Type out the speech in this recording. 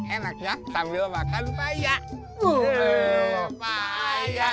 enak ya sambil makan payak